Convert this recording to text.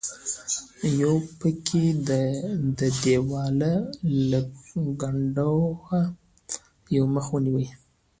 یو پکې د دیواله له کنډوه یو مخ وویني.